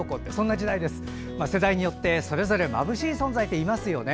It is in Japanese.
世代によってそれぞれまぶしい存在っていますよね。